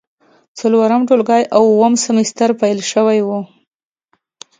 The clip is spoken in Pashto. څلورم ټولګی او اووم سمستر پیل شوی و.